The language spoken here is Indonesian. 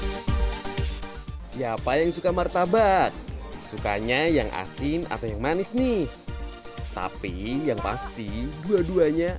hai siapa yang suka martabak sukanya yang asin atau yang manis nih tapi yang pasti dua duanya